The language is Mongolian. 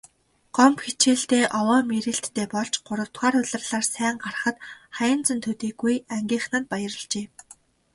Гомбо хичээлдээ овоо мэрийлттэй болж гуравдугаар улирлаар сайн гарахад Хайнзан төдийгүй ангийнхан нь баярлажээ.